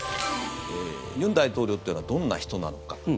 尹大統領というのはどんな人なのか。